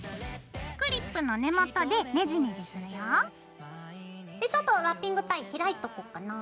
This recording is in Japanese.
クリップの根元でネジネジするよ。でちょっとラッピングタイ開いとこっかな。